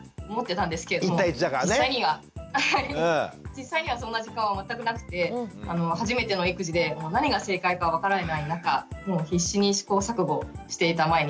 実際にはそんな時間は全くなくて初めての育児で何が正解か分からない中もう必死に試行錯誤していた毎日でした。